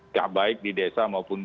ya baik di desa maupun